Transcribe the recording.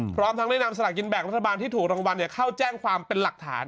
พร้อมทั้งได้นำสลากกินแบ่งรัฐบาลที่ถูกรางวัลเข้าแจ้งความเป็นหลักฐาน